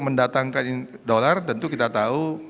mendatangkan dolar tentu kita tahu